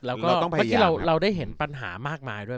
แล้วก็เมื่อกี้เราได้เห็นปัญหามากมายด้วย